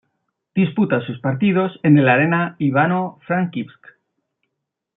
Disputa sus partidos en el Arena Ivano-Frankivsk.